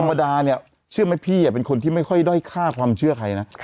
ธรรมดาเนี่ยเชื่อไหมพี่เป็นคนที่ไม่ค่อยด้อยฆ่าความเชื่อใครนะ